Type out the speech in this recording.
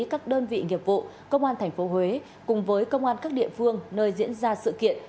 các đơn vị nghiệp vụ công an tp huế cùng với công an các địa phương nơi diễn ra sự kiện